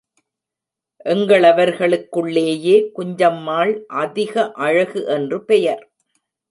எங்களவர்களுக்குள்ளேயே குஞ்சம்மாள் அதிக அழகு என்று பெயர்.